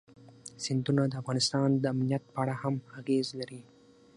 سیندونه د افغانستان د امنیت په اړه هم اغېز لري.